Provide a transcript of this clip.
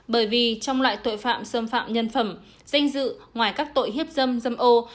bởi vì trong loại tội phạm xâm phạm nhân phẩm danh dự ngoài các tội hiếp dâm dâm ô